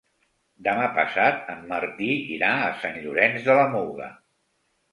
Demà passat en Martí irà a Sant Llorenç de la Muga.